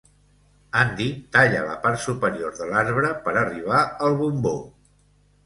Andy talla la part superior de l'arbre per arribar al bombó.